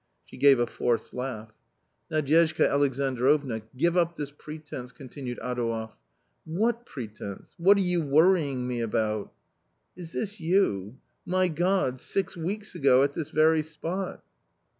She gave a forced laugh, A COMMON STORY 117 " Nadyezhda Alexandrovna, give up this pretence," con tinued Adouev. "What pretence? what are you worrying me about? " "Is this you? My God, six weeks ago, at this very spot